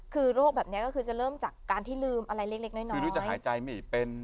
คือโรคแบบนี้ก็คือจะเริ่มจากการที่ลืมอะไรเล็กน้อยหน่อยไม่รู้จะหายใจไม่เป็น